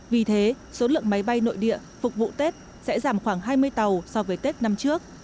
vì thế số lượng máy bay nội địa phục vụ tết sẽ giảm khoảng hai mươi tàu so với tết năm trước